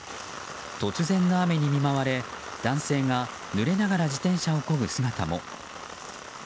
突然の雨に見舞われ男性が濡れながら自転車をこぐ姿も。